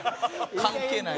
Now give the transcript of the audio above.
関係ない。